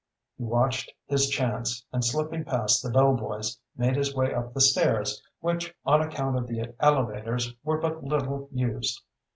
He watched his chance, and slipping past the bell boys, made his way up the stairs, which, on account of the elevators, were but little used.